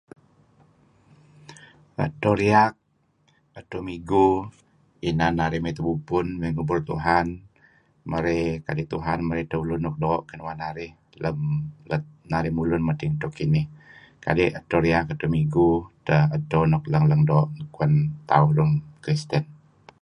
Edto riak Edto Migu inan narih may tebubpun. May ngubur Tuhan kadi' Tuhan marey ulun nuk doo' kinuan narih lat narih mulun madting edto kinih. Kadi' dto riak Edto Migu edto nuk lang-lang doo' ngen tauh Lun Kristen.